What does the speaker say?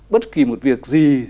bất kỳ một việc gì